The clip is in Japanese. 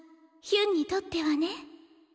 ヒュンにとってはね。